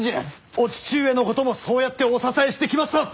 お父上のこともそうやってお支えしてきました。